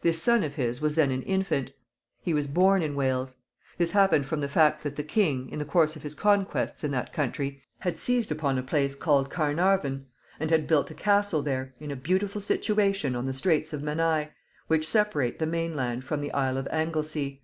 This son of his was then an infant. He was born in Wales. This happened from the fact that the king, in the course of his conquests in that country, had seized upon a place called Caernarvon, and had built a castle there, in a beautiful situation on the Straits of Menai, which separate the main land from the isle of Anglesea.